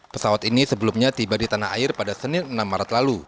pesawat ini sebelumnya tiba di tanah air pada senin enam maret lalu